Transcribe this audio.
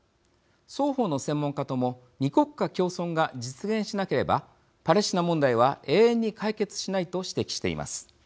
双方の専門家とも２国家共存が実現しなければパレスチナ問題は永遠に解決しないと指摘しています。